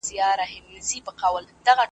خدای ته آساني پرې کړي غاړي .